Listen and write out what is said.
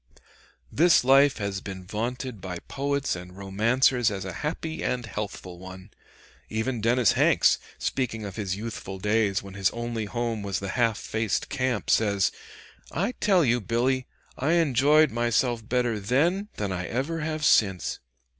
This life has been vaunted by poets and romancers as a happy and healthful one. Even Dennis Hanks, speaking of his youthful days when his only home was the half faced camp, says, "I tell you, Billy, I enjoyed myself better then than I ever have since."